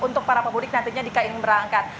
untuk para pemudik nantinya jika ingin berangkat